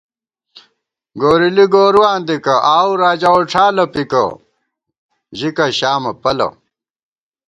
گوریلی گورُواں دِکہ ، آؤو راجا ووڄھالہ پِکہ ژِکہ شامہ پَلہ